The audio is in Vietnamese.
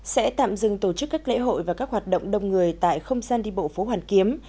sẽ tạm dừng tổ chức các lễ hội và các hoạt động đông người tại không gian đi bộ phố hoàn kiếm